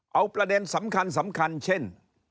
เอาประเด็นสำคัญเช่น